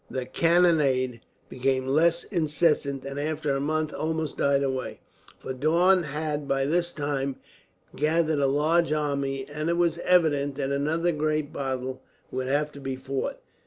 The cannonade became less incessant, and after a month almost died away; for Daun had by this time gathered a large army, and it was evident that another great battle would have to be fought.